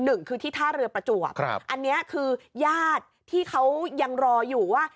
หนึ่งคือที่ท่าเรือประจวบอันนี้คือญาติที่เขายังรออยู่ว่า